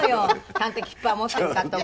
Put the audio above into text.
ちゃんと切符は持っているかとか。